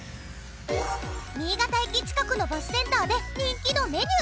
新潟駅近くのバスセンターで人気のメニュー。